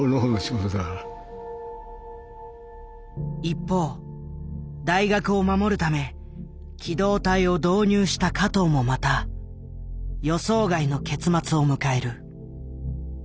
一方大学を守るため機動隊を導入した加藤もまた予想外の結末を迎える。